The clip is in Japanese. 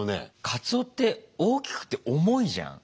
カツオって大きくて重いじゃん。